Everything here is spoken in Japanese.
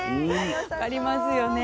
分かりますよね。